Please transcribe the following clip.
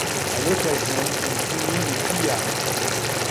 À l’occasion, il punit les pillards.